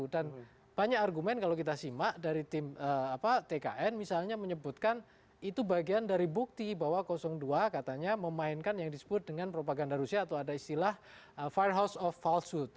dan banyak argumen kalau kita simak dari tim tkn misalnya menyebutkan itu bagian dari bukti bahwa dua katanya memainkan yang disebut dengan propaganda rusia atau ada istilah firehouse of falsehood